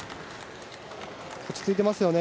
落ち着いてますよね。